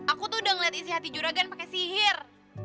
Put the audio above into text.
aku tuh udah ngeliat isi hati juragan pakai sihir